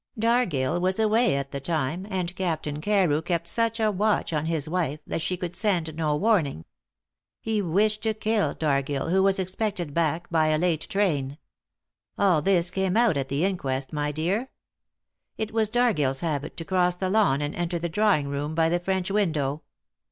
Dargill was away at the time, and Captain Carew kept such a watch on his wife that she could send no warning. He wished to kill Dargill, who was expected back by a late train. All this came out at the inquest, my dear. It was Dargill's habit to cross the lawn and enter the drawing room by the French window.